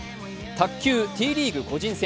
卓球、Ｔリーグ個人戦。